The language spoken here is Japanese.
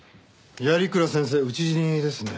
鑓鞍先生討ち死にですね。